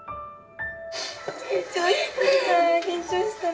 緊張したね。